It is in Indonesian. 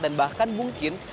dan bahkan mungkin